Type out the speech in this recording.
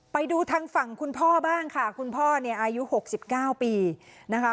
ไปดูทางฝั่งคุณพ่อบ้างค่ะคุณพ่อเนี่ยอายุ๖๙ปีนะคะ